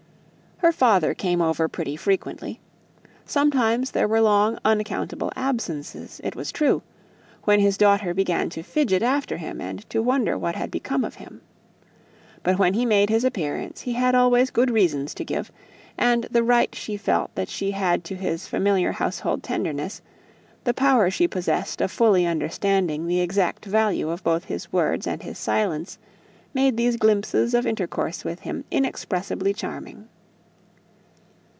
Her father rode over pretty frequently; sometimes there were long unaccountable absences, it was true; when his daughter began to fidget after him, and to wonder what had become of him. But when he made his appearance he had always good reasons to give; and the right she felt that she had to his familiar household tenderness; the power she possessed of fully understanding the exact value of both his words and his silence, made these glimpses of intercourse with him inexpressibly charming.